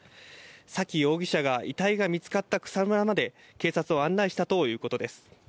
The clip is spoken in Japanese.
沙喜容疑者が遺体が見つかった草むらまで、警察を案内したということです。